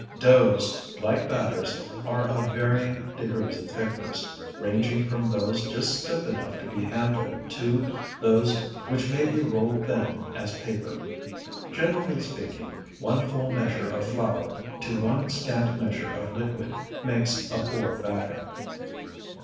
Doughs, like batters, are of varying degrees of thickness, ranging from those just stiff enough to be handled to those which may be rolled thin as paper. Generally speaking, one full measure of flour to one scant measure of liquid makes a pour batter.